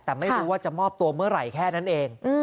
แต่ไม่รู้ว่าจะมอบตัวเมื่อไหร่แค่นั้นเอง